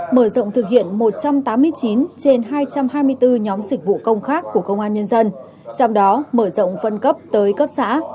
mở rộng thực hiện một trăm tám mươi chín trên hai trăm hai mươi bốn nhóm dịch vụ công khác của công an nhân dân trong đó mở rộng phân cấp tới cấp xã